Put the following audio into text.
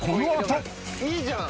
いいじゃん。